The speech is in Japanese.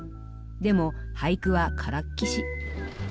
でも俳句はからっきし。